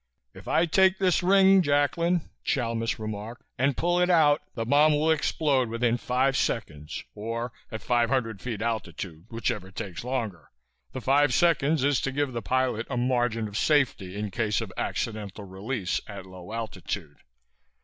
"If I take this ring, Jacklin," Chalmis remarked, "and pull it out, the bomb will explode within five seconds or at 500 feet altitude whichever takes longer. The five seconds is to give the pilot a margin of safety in case of accidental release at low altitude.